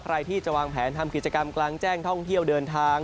ใครที่จะวางแผนทำกิจกรรมกลางแจ้งท่องเที่ยวเดินทาง